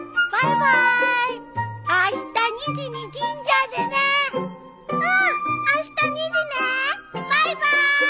バイバイ。